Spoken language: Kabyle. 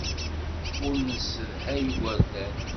Ur nessedhay igerdan.